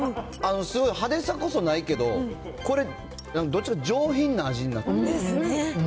すごい派手さこそないけど、これ、どっちかというと、ですね。